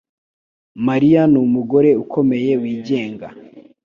Mariya numugore ukomeye, wigenga.